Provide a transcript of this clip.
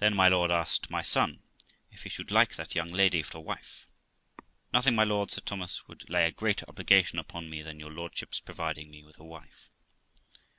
Then my lord asked my son if he should like that young lady for a wife. 'Nothing, my lord', said Thomas, ' could lay a greater obligation upon me than your lordship's providing me with a wife.'